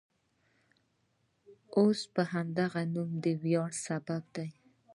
اوس همدغه نوم د ویاړ سبب دی.